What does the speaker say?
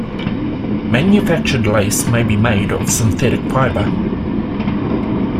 Manufactured lace may be made of synthetic fiber.